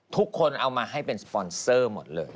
ทุกคนเอามาให้เป็นสปอนเซอร์หมดเลย